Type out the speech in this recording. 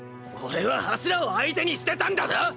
俺は柱を相手にしてたんだぞ！